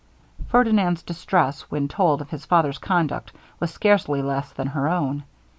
Ferdinand's distress, when told of his father's conduct, was scarcely less than her own.